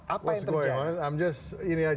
apa yang terjadi